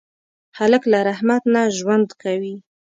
هلک له رحمت نه ژوند کوي.